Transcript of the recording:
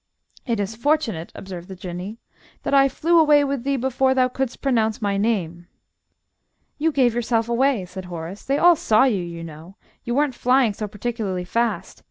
"It is fortunate," observed the Jinnee, "that I flew away with thee before thou couldst pronounce my name." "You gave yourself away," said Horace. "They all saw you, you know. You weren't flying so particularly fast.